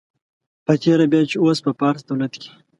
په تېره بیا چې اوس په فارس دولت کې.